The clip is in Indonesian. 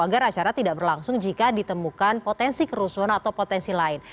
agar acara tidak berlangsung jika ditemukan potensi kerusuhan atau potensi lain